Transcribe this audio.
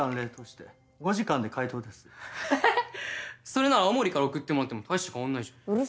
それなら青森から送ってもらっても大して変わらないじゃん。